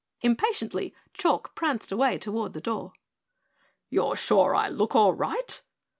Impatiently Chalk pranced away toward the door. "You're sure I look all right?"